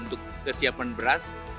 untuk kesiapan beras